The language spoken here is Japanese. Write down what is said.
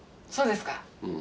そうですか？